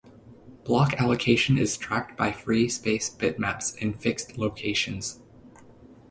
Block allocation is tracked by free space bitmaps in fixed locations.